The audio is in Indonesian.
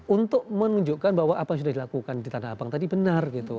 untuk menunjukkan bahwa apa yang sudah dilakukan di tanah abang tadi benar gitu